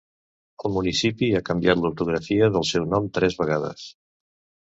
El municipi ha canviat l'ortografia del seu nom tres vegades.